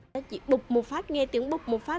nói chuyện bụng một phát nghe tiếng bụng một phát